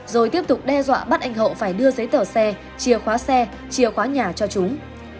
rồi tiếp tục đe dọa bắt anh hậu phải đưa giấy tờ xe chìa khóa xe chìa khóa nhà cho chúng